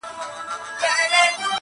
وزيرانو ته پرې ايښى بې دربار وو!!